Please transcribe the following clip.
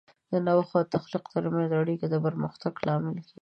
د نوښت او تخلیق ترمنځ اړیکه د پرمختګ لامل کیږي.